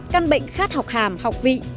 căn bệnh khát học hàm học vị